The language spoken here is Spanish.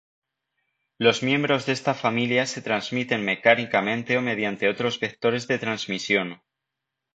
Los miembros de esta familia se transmiten mecánicamente o mediante otros vectores de transmisión.